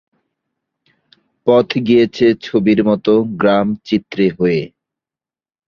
পথ গিয়েছে ছবির মতো গ্রাম চিত্রে হয়ে।